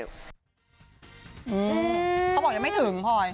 เขาบอกยังไม่ถึง